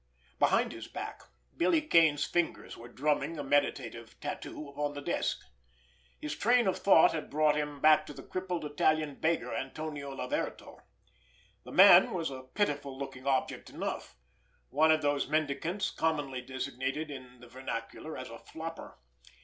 Behind his back, Billy Kane's fingers were drumming a meditative tattoo upon the desk. His train of thought had brought him back to the crippled Italian beggar, Antonio Laverto. The man was a pitiful looking object enough—one of those mendicants commonly designated in the vernacular as a "flopper."